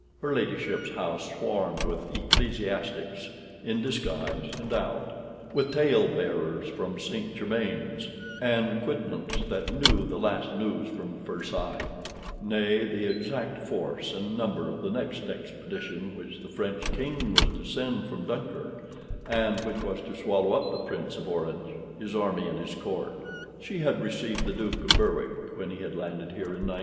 Her ladyship's house swarmed with ecclesiastics, in disguise and out; with tale bearers from St. Germains; and quidnuncs that knew the last news from Versailles; nay, the exact force and number of the next expedition which the French king was to send from Dunkirk, and which was to swallow up the Prince of Orange, his army and his court. She had received the Duke of Berwick when he landed here in '96.